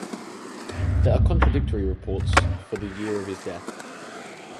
There are contradictory reports for the year of his death.